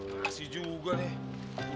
gak ada yang nganggur gua deh